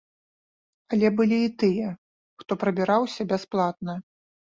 Але былі і тыя, хто прабіраўся бясплатна.